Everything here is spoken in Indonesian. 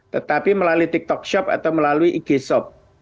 tetapi melalui tiktok shop atau melalui ig shop